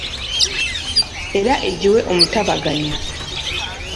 Era egiwe omutabaganya .